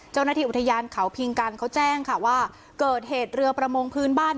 เจ้าหน้าที่อุทยานเขาพิงกันเขาแจ้งค่ะว่าเกิดเหตุเรือประมงพื้นบ้าน